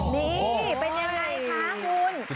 นี่เป็นยังไงคะคุณ